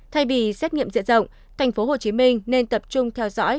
thay vì xét nghiệm diện rộng thành phố hồ chí minh nên tập trung theo dõi